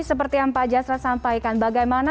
seperti yang pak jasrat sampaikan bagaimana